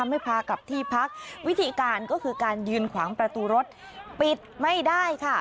ไม่พากลับที่พักวิธีการก็คือการยืนขวางประตูรถปิดไม่ได้ค่ะ